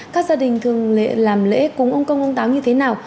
các gia đình thường làm lễ cúng ông công ông táo như thế nào